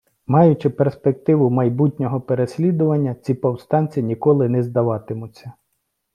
Маючи перспективу майбутнього переслідування, ці повстанці ніколи не здаватимуться.